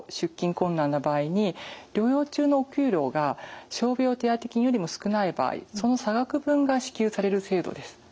困難な場合に療養中のお給料が傷病手当金よりも少ない場合その差額分が支給される制度です。